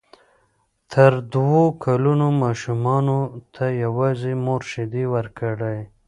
تر دوو کلونو ماشومانو ته یوازې مور شیدې ورکړئ.